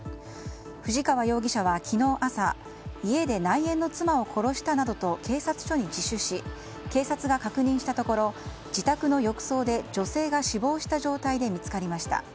藤川容疑者は昨日朝家で内縁の妻を殺したなどと警察署に自首し警察が確認したところ自宅の浴槽で女性が死亡した状態で見つかりました。